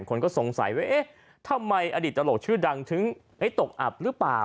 คนก็สงสัยว่าเอ๊ะทำไมอดีตตลกชื่อดังถึงตกอับหรือเปล่า